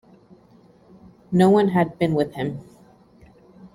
No one had been with him.